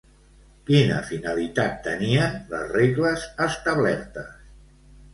Quina finalitat tenien les regles establertes?